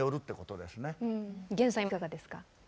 ＧＥＮさんいかがですか？